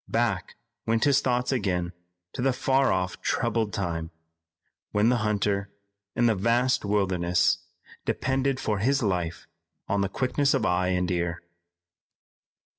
Back went his thoughts again to the far off troubled time, when the hunter in the vast wilderness depended for his life on the quickness of eye and ear.